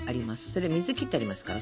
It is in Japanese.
それ水切ってありますから。